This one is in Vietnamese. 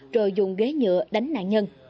rồi dùng ghế nhựa đánh nạn nhân